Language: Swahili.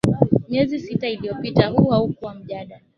Miezi sita iliyopita huu haukuwa mjadala